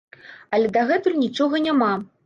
Але дагэтуль нічога няма!